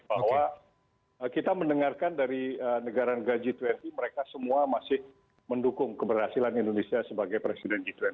bahwa kita mendengarkan dari negara negara g dua puluh mereka semua masih mendukung keberhasilan indonesia sebagai presiden g dua puluh